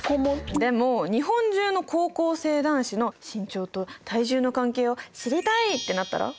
でも日本中の高校生男子の身長と体重の関係を知りたい！ってなったら？